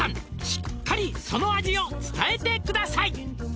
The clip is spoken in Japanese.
しっかりその味を伝えてください」